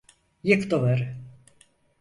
Yık duvarı!